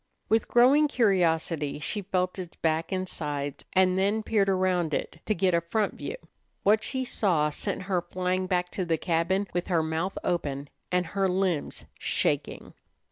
With growing curiosity she felt its back and sides, and then peered around it to get a front view. What she saw sent her flying back to the cabin with her mouth open and her limbs shaking.